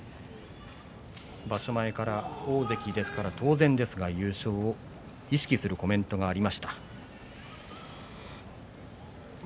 場所前から大関ですから当然ですが優勝を意識するコメントがありました。